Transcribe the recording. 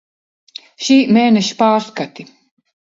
Šī mēneša pārskati.